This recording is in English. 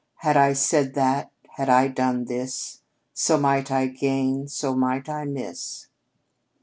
Had I said that, had I done this, So might I gain, so might I miss."